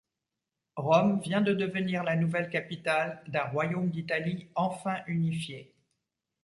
Rome vient de devenir la nouvelle Capitale d'un Royaume d'Italie enfin unifié.